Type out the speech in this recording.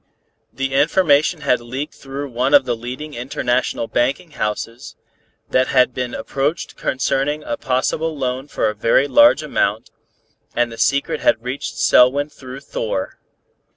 The information had leaked through one of the leading international banking houses, that had been approached concerning a possible loan for a very large amount, and the secret had reached Selwyn through Thor.